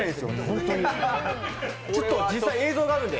ちょっと実際、映像があるんで。